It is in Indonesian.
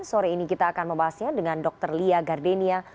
sore ini kita akan membahasnya dengan dr lia gardenia